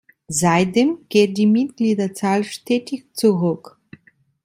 Seitdem geht die Mitgliederzahl stetig zurück.